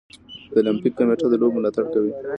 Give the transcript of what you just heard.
د المپیک کمیټه د لوبو ملاتړ کوي.